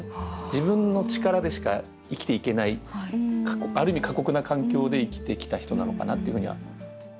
自分の力でしか生きていけないある意味過酷な環境で生きてきた人なのかなっていうふうには思います。